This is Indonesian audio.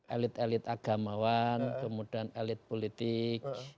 elit elit agamawan kemudian elit politik